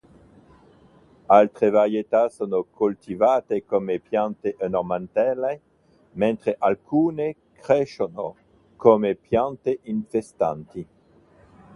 Altre varietà sono coltivate come piante ornamentali, mentre alcune crescono come piante infestanti.